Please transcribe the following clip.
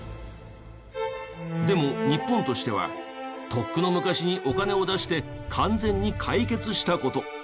でも日本としてはとっくの昔にお金を出して完全に解決した事。